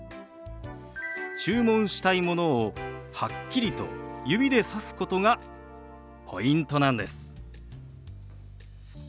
注文したいものをはっきりと指でさすことがポイントなんです。